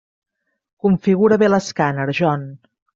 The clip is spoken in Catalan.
Configura bé l'escàner, John.